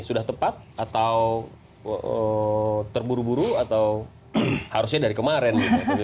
sudah tepat atau terburu buru atau harusnya dari kemarin